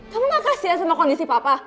kamu gak kasihan sama kondisi papa